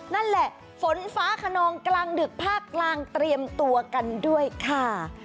นั่นแหละฝนฟ้าขนองกลางดึกภาคกลางเตรียมตัวกันด้วยค่ะ